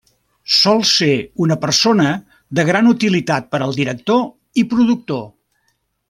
Sol ser una persona de gran utilitat per al director i productor.